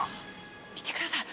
見てください。